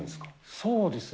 そうですね。